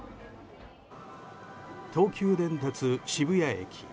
東急電鉄渋谷駅。